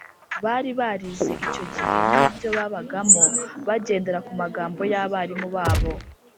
bari barize icyo gihe ni byo babagamo bagendera ku magambo yabarimu babo